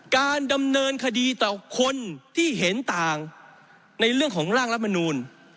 การดำเนินคดีต่อคนที่เห็นต่างในเรื่องของร่างรัฐมนูล